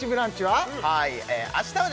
はい明日はですね